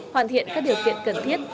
hoàn thiện các điều kiện cần thiết